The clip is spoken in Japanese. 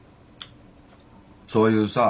そういうさ